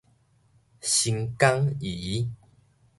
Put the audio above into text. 新港飴